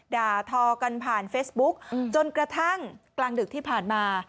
ด่าทอกันผ่านเฟซบุ๊กจนกระทั่งกลางดึกที่ผ่านมา